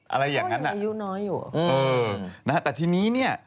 อะไรอย่างนั้นนะเออนะฮะแต่ทีนี้เนี่ย